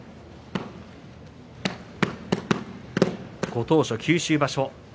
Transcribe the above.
ご当所、九州場所。